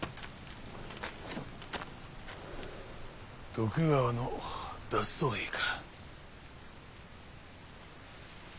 徳川の脱走兵か？